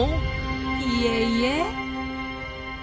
いえいえ。